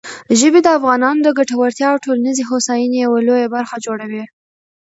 ژبې د افغانانو د ګټورتیا او ټولنیزې هوساینې یوه لویه برخه جوړوي.